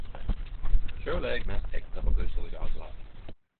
Sjølv er eg mest hekta på kryssorda i Dagbladet.